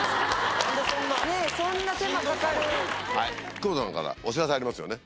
窪田さんからお知らせありますよね。